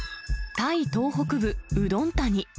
タイ東北部ウドンタニ。